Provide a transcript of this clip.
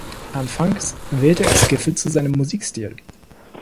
Anfangs wählte er Skiffle zu seinem Musikstil.